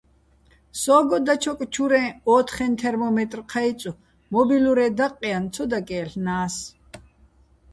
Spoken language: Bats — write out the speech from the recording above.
სო́გო დაჩოკ ჩურეჼ, ო́თხეჼ თერმომეტრ ჴაჲწო̆, მო́ბილურე დაყყჲაჼ ცო დაკჲე́ლ'ნა́ს.